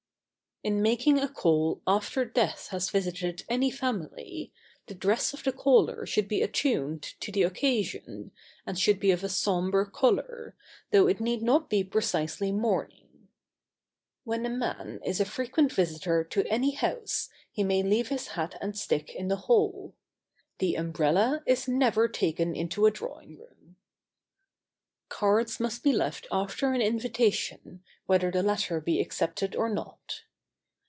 In making a call after death has visited any family, the dress of the caller should be attuned to the occasion, and should be of a sombre order, though it need not be precisely mourning. When a man is a frequent visitor to any house, he may leave his hat and stick in the hall. The umbrella is never taken into a drawing room. [Sidenote: After an invitation.] Cards must be left after an invitation, whether the latter be accepted or not.